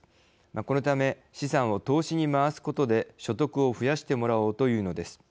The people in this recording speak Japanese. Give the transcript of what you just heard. このため資産を投資に回すことで所得を増やしてもらおうというのです。